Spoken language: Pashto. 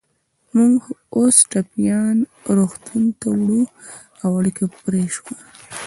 موږ اوس ټپیان روغتونونو ته وړو، او اړیکه پرې شوه.